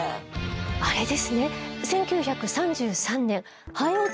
あれですね。